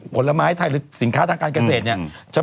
ผลไม้ไทยหรือสินค้าทางการเกษตรเนี่ย